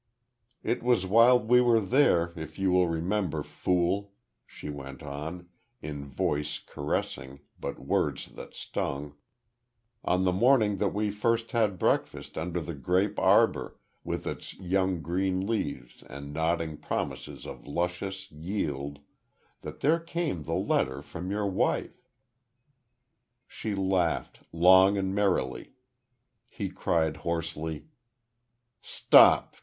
It was while we were there, if you will remember, Fool," she went on, in voice caressing but words that stung, "on the morning that we first had breakfast under the grape arbor, with its young green leaves and nodding promises of luscious yield, that there came the letter from your wife." She laughed, long and merrily. He cried, hoarsely: "Stop!